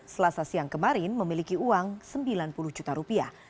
selasa siang kemarin memiliki uang sembilan puluh juta rupiah